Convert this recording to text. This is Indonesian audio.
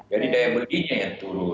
jadi daya belinya yang turun